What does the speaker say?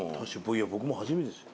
いや僕も初めてですよ。